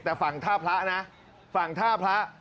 แต่ฝั่งท่าพระนะฝั่งท่าพระ